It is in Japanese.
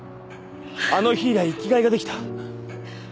あの日以来生きがいが出来た。